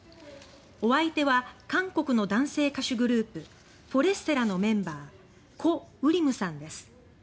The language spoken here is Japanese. お相手は韓国の男性歌手グループ「ＦＯＲＥＳＴＥＬＬＡ」のメンバー、コ・ウリムさんです。